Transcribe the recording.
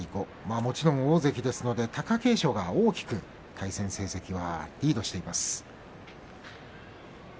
もちろん大関ですので貴景勝が大きく対戦成績をリードしています。